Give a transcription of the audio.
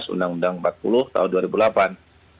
undang undang empat puluh tahun dua ribu delapan